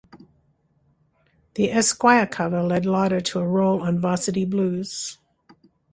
The "Esquire" cover led Larter to a role on "Varsity Blues".